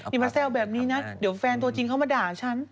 อย่ามาแซวแบบนี้นะเดี๋ยวแฟนตัวจริงเขามาด่าฉัน